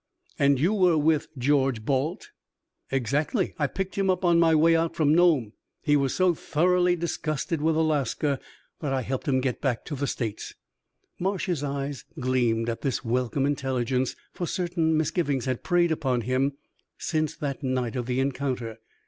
"And you were with George Balt?" "Exactly. I picked him up on my way out from Nome; he was so thoroughly disgusted with Alaska that I helped him get back to the States." Marsh's eyes gleamed at this welcome intelligence for certain misgivings had preyed upon him since that night of the encounter.